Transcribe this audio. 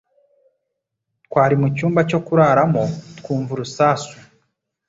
Twari mucyumba cyo kuraramo twumva urusasu